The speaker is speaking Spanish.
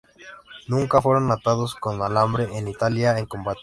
Nunca fueron atados con alambre en Italia en combate.